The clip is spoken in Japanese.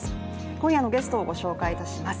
今夜のゲストをご紹介いたします。